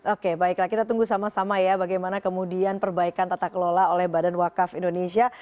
oke baiklah kita tunggu sama sama ya bagaimana kemudian perbaikan tata kelola oleh badan wakaf indonesia